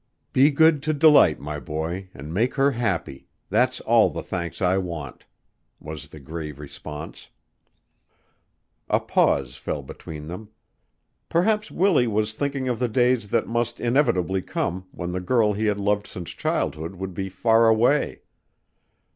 "Be good to Delight, my boy, an' make her happy; that's all the thanks I want," was the grave response. A pause fell between them. Perhaps Willie was thinking of the days that must inevitably come when the girl he had loved since childhood would be far away.